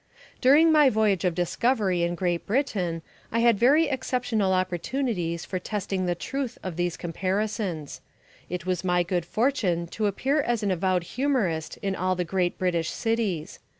During my voyage of discovery in Great Britain I had very exceptional opportunities for testing the truth of these comparisons. It was my good fortune to appear as an avowed humourist in all the great British cities.